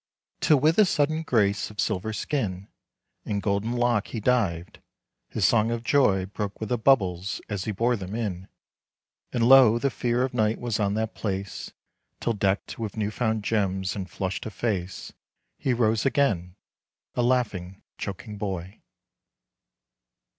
Till with a sudden grace of silver skin And golden lock he dived, his song of joy Broke with the bubbles as he bore them in ; And lo, the fear of night was on that place, Till decked with new found gems and flushed of face, He rose again, a laughing, choking boy.